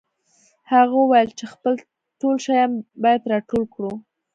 هغه وویل چې خپل ټول شیان باید راټول کړو